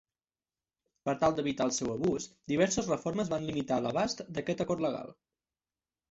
Per tal d"evitar el seu abús, diverses reformes van limitar l'abast d'aquest acord legal.